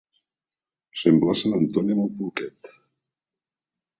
Semblar sant Antoni amb el porquet.